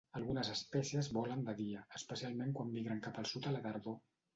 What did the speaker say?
Algunes espècies volen de dia, especialment quan migren cap al sud a la tardor.